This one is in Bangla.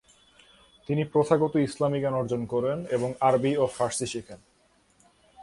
তিনি প্রথাগত ইসলামি জ্ঞান অর্জন করেন এবং আরবি ও ফারসি শেখেন।